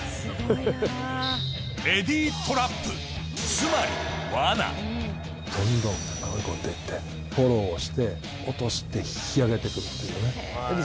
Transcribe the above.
つまりどんどん追い込んでってフォローをして落として引き上げてくるっていうね。